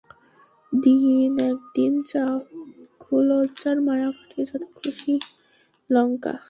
দিন একদিন চক্ষুলজার মায়া কাটিয়ে যত খুশি লঙ্কা।